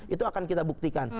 itu akan kita buktikan